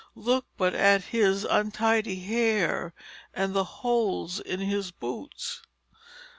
Look but at his untidy hair and the holes in his boots.'